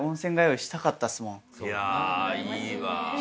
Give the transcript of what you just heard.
いやいいわぁ。